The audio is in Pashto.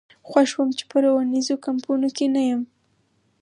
خوښ وم چې په روزنیزو کمپونو کې نه یم.